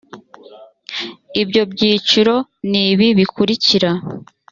ibyo byiciro ni ibi bikurikira